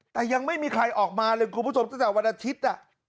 แต่ยังไม่มีใครออกมาเลยคุณผู้ชมตั้งแต่วันอาทิตย์